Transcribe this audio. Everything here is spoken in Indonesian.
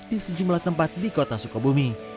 di sejumlah tempat di kota sukabumi